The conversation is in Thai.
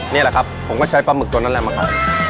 นี่แหละครับผมก็ใช้ปลาหมึกตัวนั้นแหละมาขาย